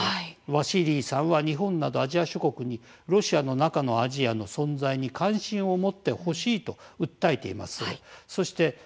ワシーリーさんは日本などアジア諸国に「ロシアの中のアジア」の存在に関心を持ってほしいと訴えています。